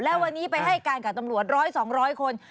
แล้ววันนี้ไปให้การกับตำรวจร้อยสองร้อยคน